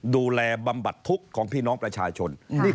บำบัดทุกข์ของพี่น้องประชาชน